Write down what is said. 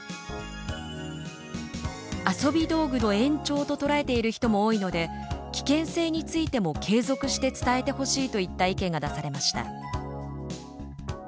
遊び道具の延長ととらえている人も多いので危険性についても継続して伝えてほしい」といった意見が出されました。